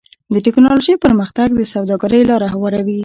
د ټکنالوجۍ پرمختګ د سوداګرۍ لاره هواروي.